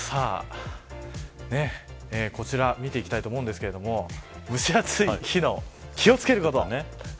こちら見ていきたいと思うんですけれども蒸し暑い日の気を付けること。